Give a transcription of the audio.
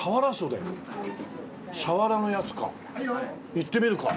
いってみるか。